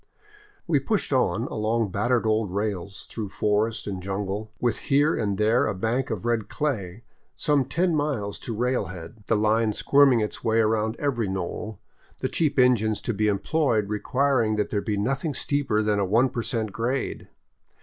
We pushed on along battered old rails, through forest and jungle, with here and there a bank of red clay, some ten miles to railhead, 605 VAGABONDING DOWN THE ANDES the line squirming its way around every knoll, the cheap engines to be employed requiring that there be nothing steeper than a one percent grade.